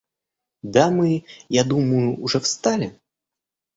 Дамы, я думаю, уже встали?